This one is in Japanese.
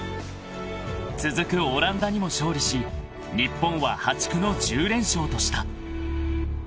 ［続くオランダにも勝利し日本は破竹の１０連勝とした］